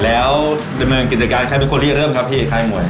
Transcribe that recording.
แล้วในเมืองกิจการใครเป็นคนที่เริ่มครับพี่เอกขายมวย